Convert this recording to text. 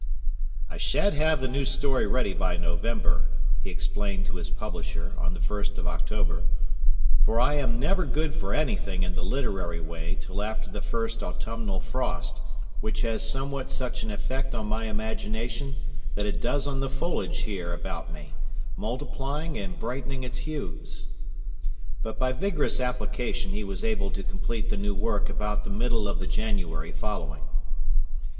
"I sha'n't have the new story ready by November," he explained to his publisher, on the 1st of October, "for I am never good for anything in the literary way till after the first autumnal frost, which has somewhat such an effect on my imagination that it does on the foliage here about me—multiplying and brightening its hues." But by vigorous application he was able to complete the new work about the middle of the January following.